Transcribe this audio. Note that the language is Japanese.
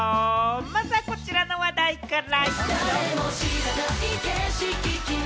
まずは、こちらの話題から。